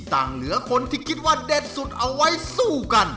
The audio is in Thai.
ต่างเหลือคนที่คิดว่าเด็ดสุดเอาไว้สู้กัน